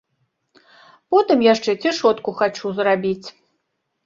Потым яшчэ цішотку хачу зрабіць.